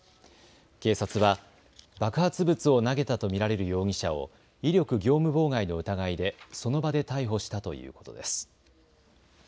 警察は爆発物を投げたと見られる容疑者を威力業務妨害の疑いでその場で逮捕したということです。